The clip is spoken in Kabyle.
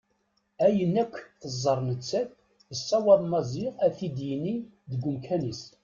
Ayen akk teẓẓar nettat yessaweḍ Maziɣ ad t-id-yini deg umkan-is.